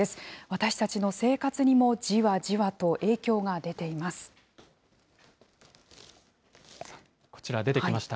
私たちの生活にもじわじわと影響こちら、出てきました。